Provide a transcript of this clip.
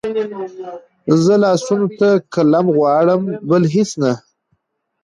زه لاسونو ته قلم غواړم بل هېڅ نه